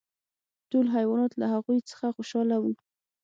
ټول حیوانات له هغوی څخه خوشحاله وو.